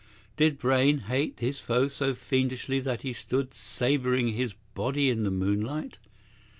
Did Brayne hate his foe so fiendishly that he stood sabring his body in the moonlight?"